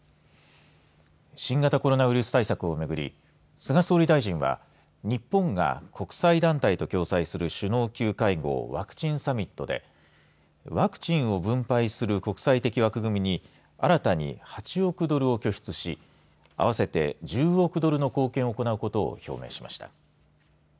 新型コロナウイルス対策をめぐり菅総理大臣は日本が国際団体と共催する首脳級会合ワクチンサミットでワクチンを分配する国際的枠組みに新たに８億ドルを拠出し合わせて１０億ドルの貢献を行うことを表明しました。